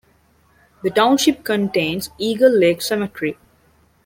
The township contains Eagle Lake Cemetery.